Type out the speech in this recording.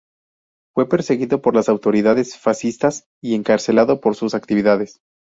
Fue perseguido por las autoridades fascistas y encarcelado por sus actividades.